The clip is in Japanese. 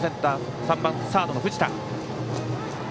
３番サード、藤田。